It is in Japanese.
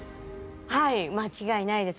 はい間違いないです。